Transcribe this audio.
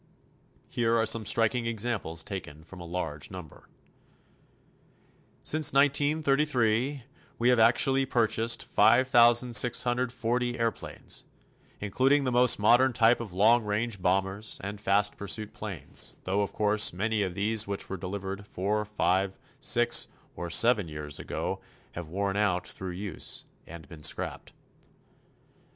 Here are some striking examples taken from a large number: Since 1933 we have actually purchased 5,640 airplanes, including the most modern type of long range bombers and fast pursuit planes, though, of course, many of these which were delivered four, five, six or seven years ago have worn out through use and been scrapped.